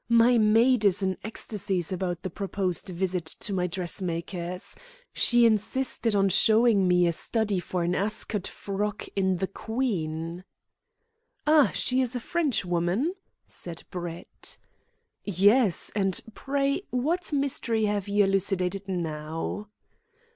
"My maid is in ecstasies about the proposed visit to my dressmaker's. She insisted on showing me a study for an Ascot frock in the Queen." "Ah, she is a Frenchwoman?" said Brett. "Yes; and pray what mystery have you elucidated now?"